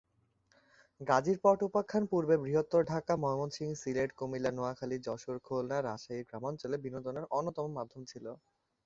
গাজীর পট উপাখ্যান পূর্বে বৃহত্তর ঢাকা, ময়মনসিংহ, সিলেট, কুমিল্লা, নোয়াখালী, যশোর, খুলনা, রাজশাহীর গ্রামাঞ্চলে বিনোদনের অন্যতম মাধ্যম ছিল।